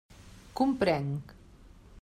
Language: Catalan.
Comprenc.